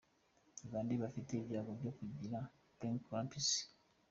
Ni bande bafite ibyago byo kugira preeclampsia? .